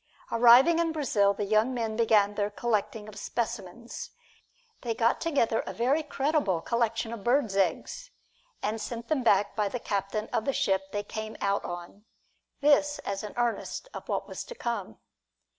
Arriving in Brazil the young men began their collecting of specimens. They got together a very creditable collection of birds' eggs and sent them back by the captain of the ship they came out on, this as an earnest of what was to come.